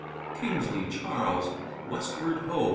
Kingsley (Charles).—Westward Ho!